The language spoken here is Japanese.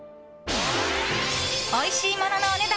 おいしいもののお値段